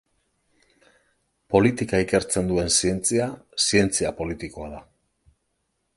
Politika ikertzen duen zientzia, zientzia politikoa da.